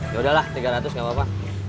ya udahlah tiga ratus gapapa